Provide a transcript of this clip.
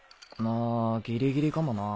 あギリギリかもな。